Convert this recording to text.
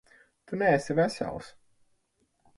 Tu neesi vesels.